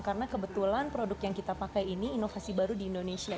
karena kebetulan produk yang kita pakai ini inovasi baru di indonesia